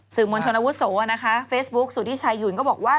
สื่อมวลชนวุฒโศนะคะเฟสบุ๊คสุธิชายุ่นก็บอกว่า